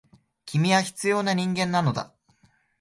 君は必要な人間なのだ。